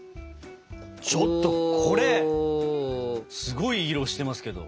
ちょっとこれすごい色してますけど。